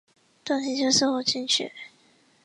洞庭秋思古琴曲。